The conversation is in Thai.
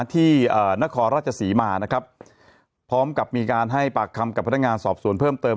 ที่นครราชศรีมานะครับพร้อมกับมีการให้ปากคำกับพนักงานสอบสวนเพิ่มเติม